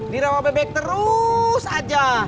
dirawa bebek terus aja